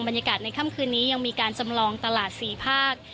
บรรยากาศในคำคืนนี้ยังมีการจำลองตลาดสี่ภาค